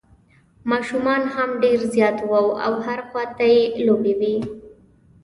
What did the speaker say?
ماشومان هم ډېر زیات وو او هر خوا ته یې لوبې وې.